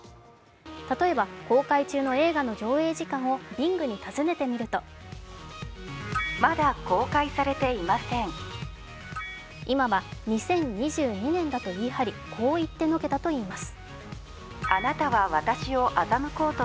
例えば、公開中の映画の上映時間をＢｉｎｇに訪ねてみると今は２０２２年だと言い張り、こう言ってのけたといいます。